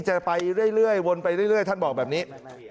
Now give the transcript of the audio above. จะไปเรื่อยเรื่อยวนไปเรื่อยเรื่อยท่านบอกแบบนี้